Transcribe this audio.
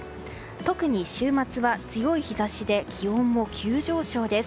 特に週末は強い日差しで気温も急上昇です。